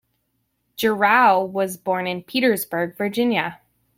Gerow was born in Petersburg, Virginia.